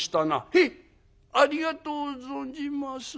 「へいありがとう存じます」。